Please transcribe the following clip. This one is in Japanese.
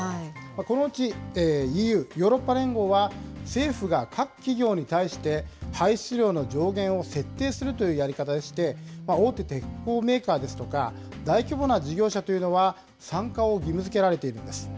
このうち、ＥＵ・ヨーロッパ連合は、政府が各企業に対して、排出量の上限を設定というやり方でして、大手鉄鋼メーカーですとか、大規模な事業者というのは、参加を義務づけられているんです。